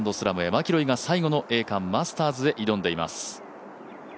マキロイが最後の栄冠マスターズへ挑んでいます。